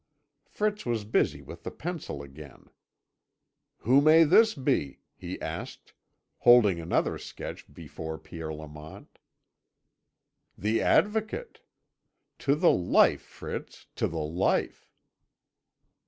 Fritz was busy with the pencil again. "Who may this be?" he asked, holding another sketch before Pierre Lamont. "The Advocate. To the life, Fritz, to the life."